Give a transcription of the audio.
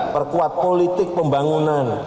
perkuat politik pembangunan